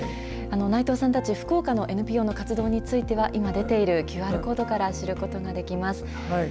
内藤さんたち、福岡のＮＰＯの活動については、今出ているＱＲコードから知ることができます。